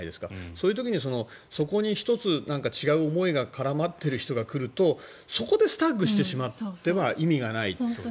そういう時にそこに１つ、違う思いが絡まっている人が来るとそこでスタッグしてしまっては意味がない。